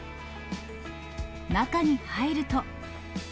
中に入ると。